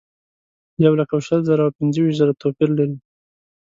یولک شل زره او پنځه ویشت زره توپیر لري.